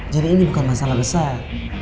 jadi ini bukan masalah besar